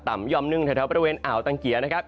ย่อมหนึ่งแถวบริเวณอ่าวตังเกียร์นะครับ